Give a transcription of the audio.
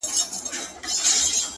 o ښه موده کيږي چي هغه مجلس ته نه ورځمه،